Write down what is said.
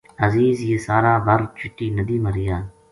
عزیز یہ سارا بر چٹی ندی ما رہیا